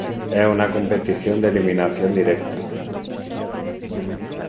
Es una competición de eliminación directa.